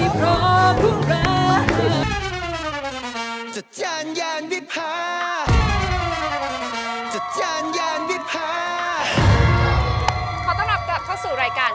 ขอต้อนรับกลับเข้าสู่รายการ